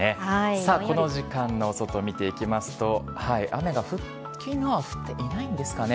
さあ、この時間の外見ていきますと、雨が、降っていないんですかね。